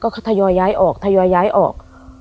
เขาทยอยย้ายออกทยอยย้ายออก